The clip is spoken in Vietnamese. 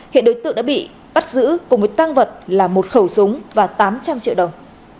hiện đối tượng đã bị bắt giữ cùng với tăng vật là một khẩu súng và tám trăm linh triệu đồng